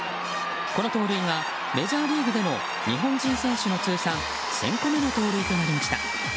この盗塁はメジャーリーグでの日本人選手の通算１０００個目の盗塁となりました。